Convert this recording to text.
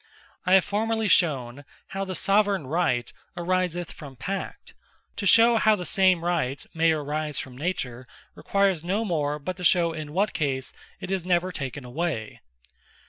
I have formerly shewn, how the Soveraign Right ariseth from Pact: To shew how the same Right may arise from Nature, requires no more, but to shew in what case it is never taken away.